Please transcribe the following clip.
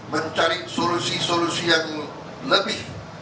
mencari solusi solusi yang lebih